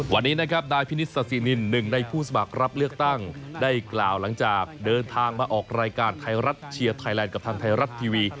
วันนี้นะครับนายพินิศาสินินหนึ่งในผู้สมัครรับเลือกตั้งได้กล่าวหลังจากเดินทางมาออกรายการไทยรัฐเชียร์ไทยแลนด์กับทางไทยรัฐทีวี